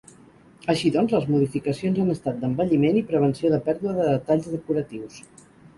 Així doncs les modificacions han estat d'embelliment i prevenció de pèrdua de detalls decoratius.